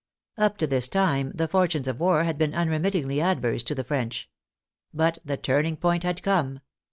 Up to this time the fortunes of war had been unremittingly adverse to the French. But the turning point had come.